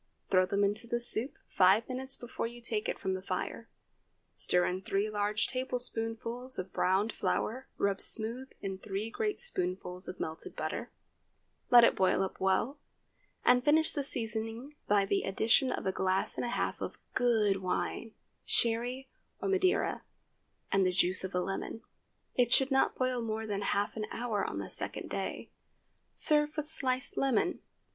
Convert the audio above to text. Throw them into the soup five minutes before you take it from the fire; stir in three large tablespoonfuls of browned flour rubbed smooth in three great spoonfuls of melted butter, let it boil up well, and finish the seasoning by the addition of a glass and a half of good wine—Sherry or Madeira—and the juice of a lemon. It should not boil more than half an hour on the second day. Serve with sliced lemon.